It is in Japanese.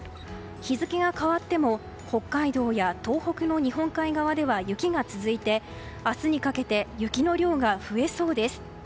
日付が変わっても北海道や東北の日本海側では雪が続いて、明日にかけて雪の量が増えそうです。